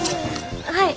はい。